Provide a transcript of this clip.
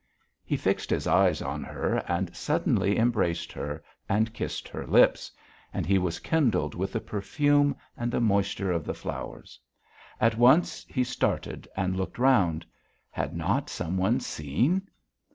He fixed his eyes on her and suddenly embraced her and kissed her lips, and he was kindled with the perfume and the moisture of the flowers; at once he started and looked round; had not some one seen?